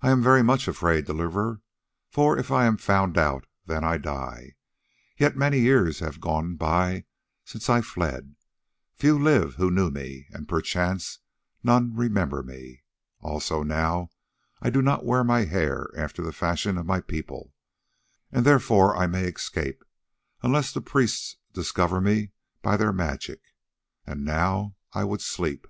"I am much afraid, Deliverer, for if I am found out then I die. Yet many years have gone by since I fled; few live who knew me, and, perchance, none remember me. Also now I do not wear my hair after the fashion of my people, and therefore I may escape, unless the priests discover me by their magic. And now I would sleep."